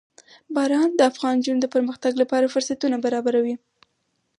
باران د افغان نجونو د پرمختګ لپاره فرصتونه برابروي.